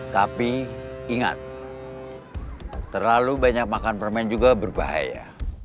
tapi ingat terlalu banyak makan permen juga berbahaya